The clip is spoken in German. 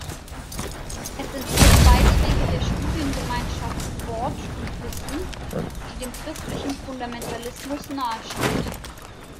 Es enthält Beiträge der Studiengemeinschaft Wort und Wissen, die dem christlichen Fundamentalismus nahesteht.